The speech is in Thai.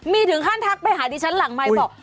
มีถึงขั้นทักไปหาดิฉันหลังไมค์บอก